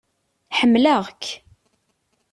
Ḥemmleɣ-k.